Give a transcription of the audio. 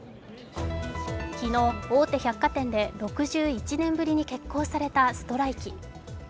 昨日、大手百貨店で６１年ぶりに決行されたストライキ。